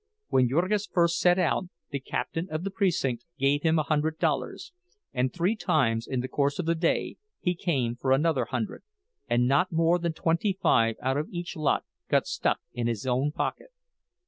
When Jurgis first set out, the captain of the precinct gave him a hundred dollars, and three times in the course of the day he came for another hundred, and not more than twenty five out of each lot got stuck in his own pocket.